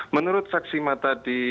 menurut saksi mata di